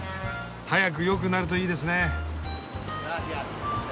早く良くなるといいですね！